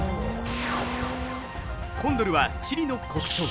コンドルはチリの国鳥。